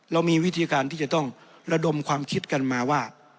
เรามีวิธีการที่จะต้องระดมความคิดกันมาว่า